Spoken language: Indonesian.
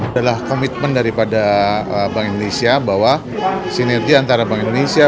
adalah komitmen daripada bank indonesia bahwa sinergi antara bank indonesia